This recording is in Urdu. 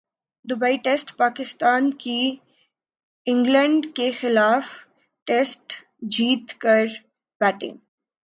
دبئی ٹیسٹپاکستان کی انگلینڈ کیخلاف ٹاس جیت کر بیٹنگ